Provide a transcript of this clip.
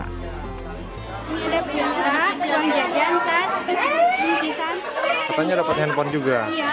katanya dapat handphone juga